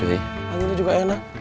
ini juga enak